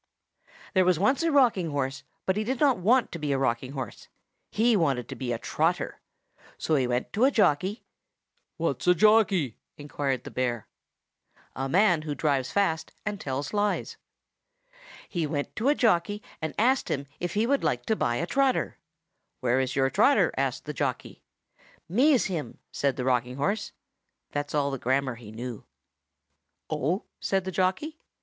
There was once a rocking horse, but he did not want to be a rocking horse. He wanted to be a trotter. So he went to a jockey— "What's a jockey?" inquired the bear. A man who drives fast and tells lies. He went to a jockey and asked him if he would like to buy a trotter. "Where is your trotter?" asked the jockey. "Me's him," said the rocking horse. That was all the grammar he knew. "Oh!" said the jockey.